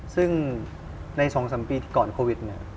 ซึ่งใน๒๓ปีก่อนโควิด